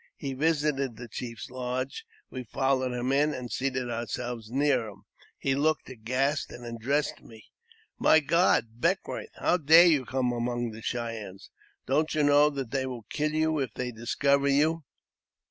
He visited the chief's lodge we followed him in, and seated ourselves near him. He looked aghast, and addressed me :" My God ! Beckwourth how dare you come among the Cheyennes ? Don't you know that they will kill you if they discover you